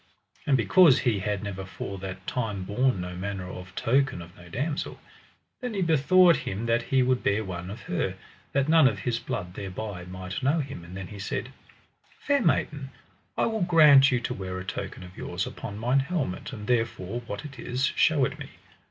And because he had never fore that time borne no manner of token of no damosel, then he bethought him that he would bear one of her, that none of his blood thereby might know him, and then he said: Fair maiden, I will grant you to wear a token of yours upon mine helmet, and therefore what it is, shew it me.